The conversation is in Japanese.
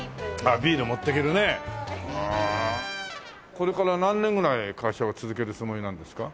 これから何年ぐらい会社を続けるつもりなんですか？